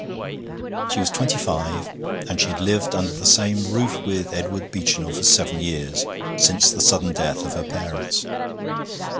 She was twenty five, and she had lived under the same roof with Edward Beechinor for seven years, since the sudden death of her parents.